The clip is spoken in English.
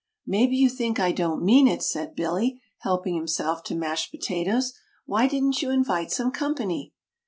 "Maybe you think I don't mean it," said Billy, helping himself to mashed potatoes. "Why didn't you invite some company?"